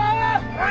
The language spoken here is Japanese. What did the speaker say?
はい！